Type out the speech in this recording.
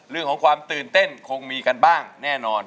เรื่องของความตื่นเต้นคงมีกันบ้างแน่นอน